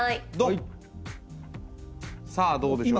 さあどうでしょう？